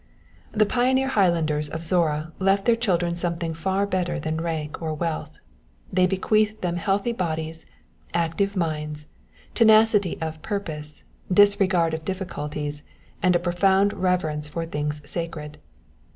The pioneer Highlanders of Zorra left their children something far better than rank or wealth; they bequeathed them healthy bodies, active minds, tenacity of purpose, disregard of difficulties, and a profound reverence for things sacred.